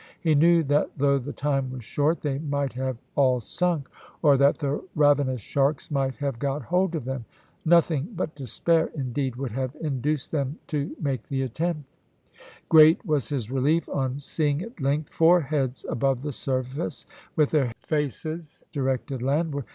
He knew that though the time was short they might have all sunk, or that the ravenous sharks might have got hold of them. Nothing but despair, indeed, would have induced them to make the attempt. Great was his relief on seeing at length four heads above the surface, with their faces directed landward.